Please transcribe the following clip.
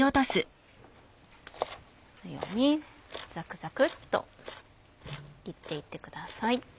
このようにザクザクっと切っていってください。